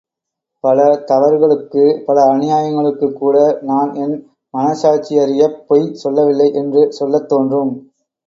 பல தவறுகளுக்கு பல அநியாயங்களுக்குக் கூட நான் என் மனச்சாட்சியறியப் பொய் சொல்லவில்லை என்று சொல்லத் தோன்றும்.